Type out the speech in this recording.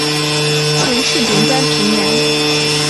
前翅顶端平圆。